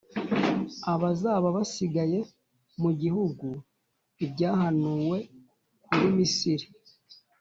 abazaba basigaye mu gihugu. Ibyahanuwe kuri Misiri